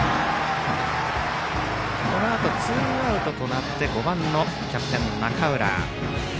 このあとツーアウトとなって５番、キャプテンの中浦。